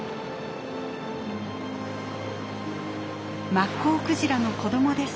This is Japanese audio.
マッコウクジラの子どもです。